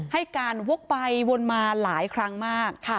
ให้การวกไปวนมาหลายครั้งมาก